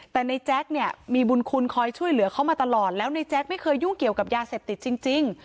แต่ในแจ๊คเนี่ยมีบุญคุณคอยช่วยเหลือเขามาตลอดแล้วในแจ๊คไม่เคยยุ่งเกี่ยวกับยาเสพติดจริง